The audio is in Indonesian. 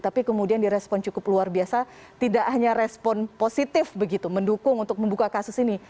tapi kemudian direspon cukup luar biasa tidak hanya respon positif begitu mendukung untuk membuka kasus ini